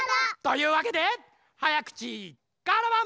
というわけで「早口瓦版」。